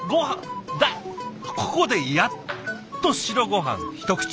ここでやっと白ごはん一口。